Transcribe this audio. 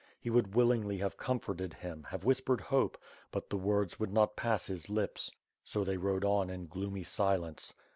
He would willingly have comforted him, have whispered hope; but the words would not pass his lips, so they rode on in gloomy silence.